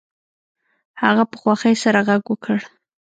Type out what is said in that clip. هغه په خوښۍ سره غږ وکړ